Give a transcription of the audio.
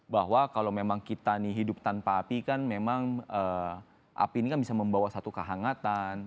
bahwa kalau memang kita nih hidup tanpa api kan memang api ini kan bisa membawa satu kehangatan